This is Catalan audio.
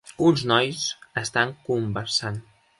Uns nois estan conversant.